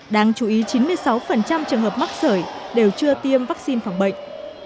đáng chú ý chín mươi sáu trường hợp mắc sởi đều chưa tiêm vaccine phòng bệnh